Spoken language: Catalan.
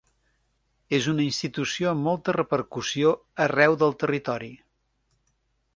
És una institució amb molta repercussió arreu del territori.